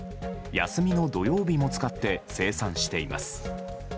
休みの土曜日も使って生産しています。